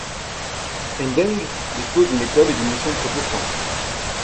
Endengue dispose d'une école et d'une mission protestantes.